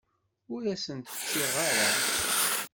Ur asen-t-ččiɣ ara.